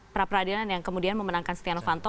pra peradilan yang kemudian memenangkan setia novanto